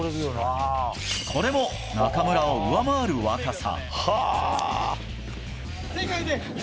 これも中村を上回る若さ。